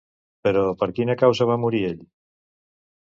Però, per quina causa va morir ell?